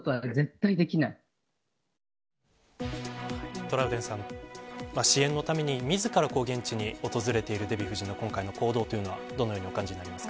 トラウデンさん支援のために自ら現地を訪れているデヴィ夫人の今回の行動というのはどのように感じますか。